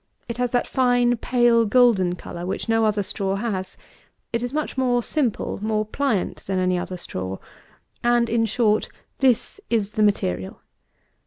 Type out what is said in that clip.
It has that fine, pale, golden colour which no other straw has; it is much more simple, more pliant than any other straw; and, in short, this is the material.